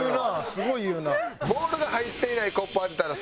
すごい言うなあ？